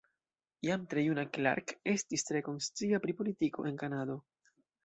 Jam tre juna Clark estis tre konscia pri politiko en Kanado.